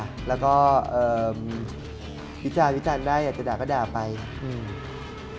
แล้วก็เอ่อวิจารณวิจารณ์ได้อยากจะด่าก็ด่าไปอืม